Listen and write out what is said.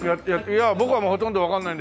いや僕はもうほとんどわからないので。